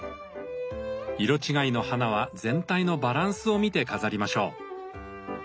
色違いの花は全体のバランスを見て飾りましょう。